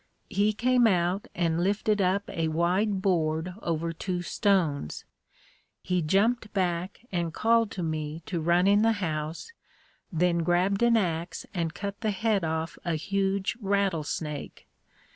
He came out and lifted up a wide board over two stones. He jumped back and called to me to run in the house, then grabbed an ax and cut the head off a huge rattlesnake.